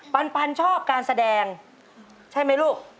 ปันชอบการแสดงใช่ไหมลูก